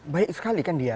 baik sekali kan dia